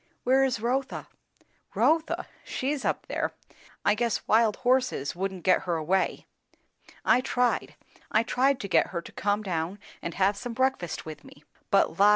"Where is Rotha?" "Rotha! she's up there. I guess wild horses wouldn't get her away. I tried; I tried to get her to come down and have some breakfast with me; but la!